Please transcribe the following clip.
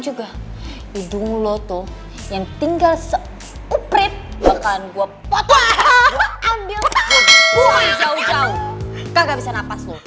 juga hidung lo tuh yang tinggal seuprit makan gua potong ambil jauh jauh nggak bisa nafas